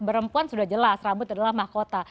perempuan sudah jelas rambut adalah mahkota